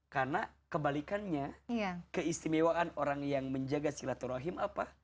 karena kebalikannya keistimewaan orang yang menjaga silaturahim apa